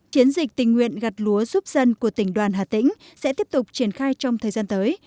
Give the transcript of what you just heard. chiến dịch tình nguyện gặt lúa giúp dân của tỉnh đoàn hà tĩnh sẽ tiếp tục triển khai trong thời gian tới